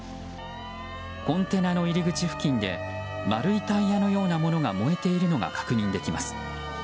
コンテナの入り口付近で丸いタイヤのようなものが燃えているのが確認できます。